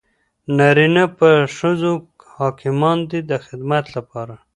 نارینه په ښځو حاکمان دي د خدمت لپاره.